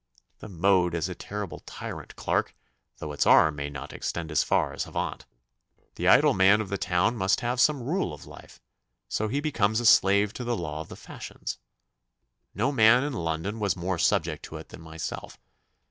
The mode is a terrible tyrant, Clarke, though its arm may not extend as far as Havant. The idle man of the town must have some rule of life, so he becomes a slave to the law of the fashions. No man in London was more subject to it than myself.